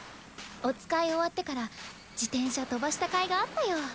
お使い終わってから自転車飛ばした甲斐があったよ。